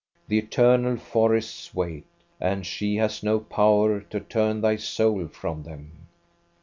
The eternal forests wait, and she has no power to turn thy soul from them.